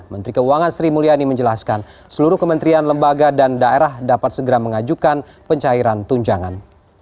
menteri keuangan sri mulyani menjelaskan seluruh kementerian lembaga dan daerah dapat segera mengajukan pencairan tunjangan